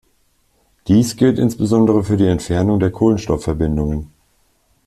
Dies gilt insbesondere für die Entfernung der Kohlenstoffverbindungen.